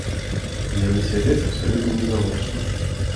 Яны сядзяць абсалютна нізавошта!